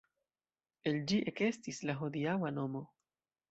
El ĝi ekestis la hodiaŭa nomo.